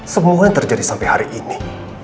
semua yang terjadi sampai hari ini